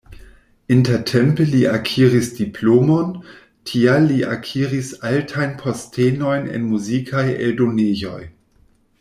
Intertempe li akiris diplomon, tial li akiris altajn postenojn en muzikaj eldonejoj.